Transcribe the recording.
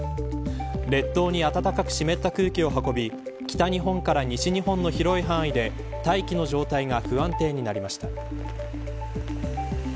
列島に暖かく湿った空気を運び北日本から西日本の広い範囲で大気の状態が不安定になりました。